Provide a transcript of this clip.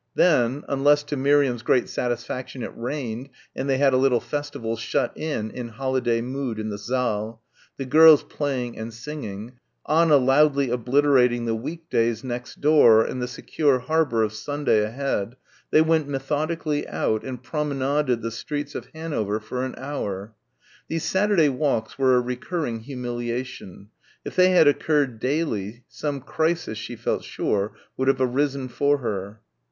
Then unless to Miriam's great satisfaction it rained and they had a little festival shut in in holiday mood in the saal, the girls playing and singing, Anna loudly obliterating the week days next door and the secure harbour of Sunday ahead they went methodically out and promenaded the streets of Hanover for an hour. These Saturday walks were a recurring humiliation. If they had occurred daily, some crisis, she felt sure would have arisen for her.